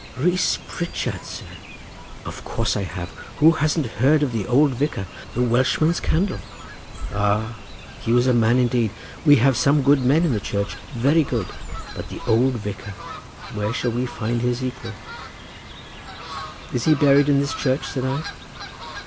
"Rees Pritchard, sir! Of course I have—who hasn't heard of the old vicar—the Welshman's candle? Ah, he was a man indeed! We have some good men in the Church, very good; but the old vicar—where shall we find his equal?" "Is he buried in this church?" said I.